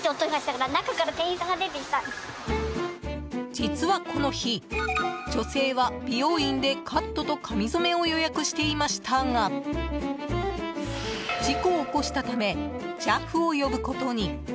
実はこの日、女性は美容院でカットと髪染めを予約していましたが事故を起こしたためＪＡＦを呼ぶことに。